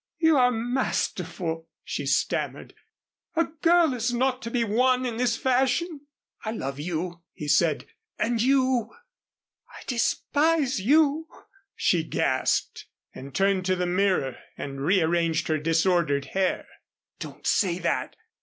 "You are masterful!" she stammered. "A girl is not to be won in this fashion." "I love you," he said. "And you " "I despise you," she gasped. She turned to the mirror, and rearranged her disordered hair. "Don't say that.